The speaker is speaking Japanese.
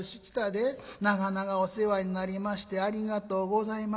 『長々お世話になりましてありがとうございました。